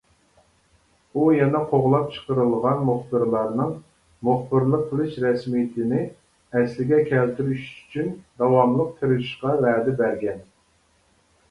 ئۇ يەنە قوغلاپ چىقىرىلغان مۇخبىرلارنىڭ مۇخبىرلىق قىلىش رەسمىيىتىنى ئەسلىگە كەلتۈرۈش ئۈچۈن داۋاملىق تىرىشىشقا ۋەدە بەرگەن.